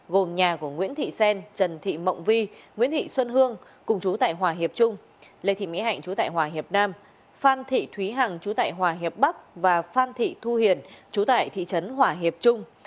gồm nhà của nguyễn thị xen trần thị mộng vi nguyễn thị xuân hương cùng chú tại hòa hiệp trung lê thị mỹ hạnh chú tại hòa hiệp nam phan thị thúy hằng chú tại hòa hiệp bắc và phan thị thu hiền chú tại thị trấn hỏa hiệp trung